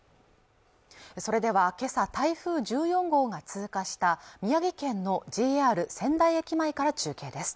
それではけさ台風１４号が通過した宮城県のＪＲ仙台駅前から中継です